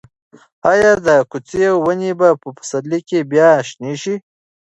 ایا د کوڅې ونې به په پسرلي کې بیا شنې شي؟